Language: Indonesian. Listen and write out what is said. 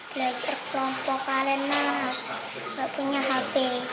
belajar kelompok karena gak punya hp